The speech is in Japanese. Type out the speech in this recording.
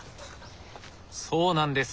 そうなんです。